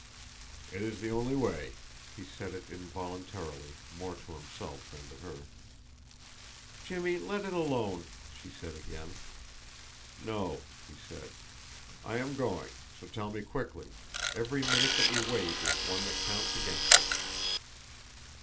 "It is the only way." He said it involuntarily, more to himself than to her. "Jimmie, let it alone!" she said again. "No," he said. "I am going so tell me quickly. Every minute that we wait is one that counts against us."